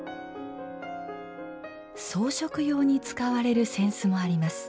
装飾用に使われる扇子もあります。